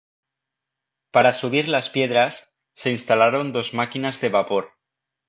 Para subir las piedras, se instalaron dos máquinas de vapor.